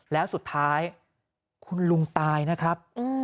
แล้วสุดท้ายคุณลุงตายนะครับ